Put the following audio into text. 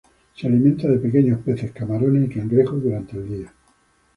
Se alimenta de pequeños peces, camarones y cangrejos durante el día.